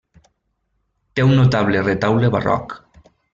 Té un notable retaule barroc.